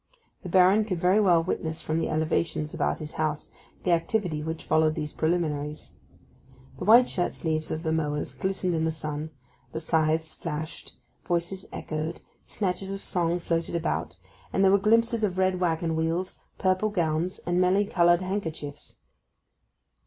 The Baron could very well witness from the elevations about his house the activity which followed these preliminaries. The white shirt sleeves of the mowers glistened in the sun, the scythes flashed, voices echoed, snatches of song floated about, and there were glimpses of red waggon wheels, purple gowns, and many coloured handkerchiefs.